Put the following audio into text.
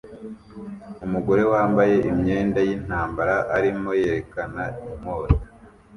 Umugore wambaye imyenda yintambara arimo yerekana inkota